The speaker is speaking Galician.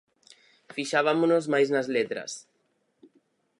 Fixabámonos máis nas letras.